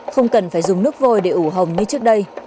không cần phải dùng nước vôi để ủ hồng như trước đây